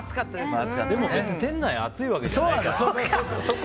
でも別に店内暑いわけじゃないからね。